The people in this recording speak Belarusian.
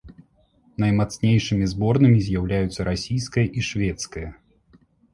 Наймацнейшымі зборнымі з'яўляюцца расійская і шведская.